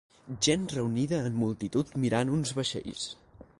Gent reunida en multitud mirant uns vaixells.